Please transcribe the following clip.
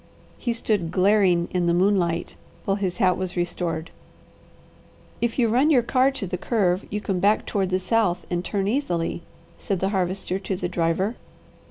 He stood glaring in the moonlight while his hat was restored. "If you run your car to the curve you can back toward the south and turn easily," said the Harvester to the driver.